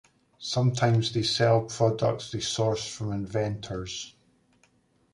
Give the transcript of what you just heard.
Sometimes, they sell products they source from inventors.